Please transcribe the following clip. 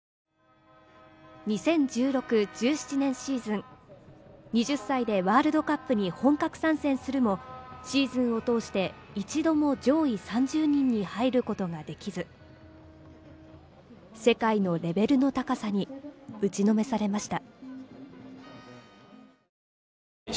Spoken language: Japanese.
２０１６、１７年シーズン、２０歳でワールドカップに本格参戦するも、シーズンを通して一度も上位３０人に入ることができず、世界のレベルの高さに打ちのめされました。